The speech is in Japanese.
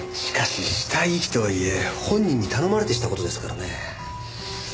しかし死体遺棄とはいえ本人に頼まれてした事ですからね。